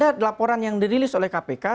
ada laporan yang dirilis oleh kpk